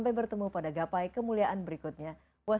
jangan kemana mana gapai kemuliaan akan kembali